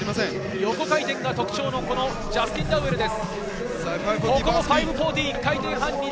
横回転が特徴のジャスティン・ダウエルです。